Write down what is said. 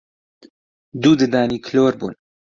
دوو ددانی کلۆر بوون